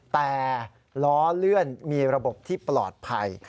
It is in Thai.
แต่ล้อเลื่อนมีระบบที่ปลอดภัย